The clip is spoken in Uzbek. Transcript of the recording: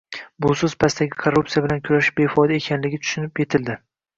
Busiz pastdagi korrupsiya bilan kurashish befoyda ekanligi tushunib yetildi.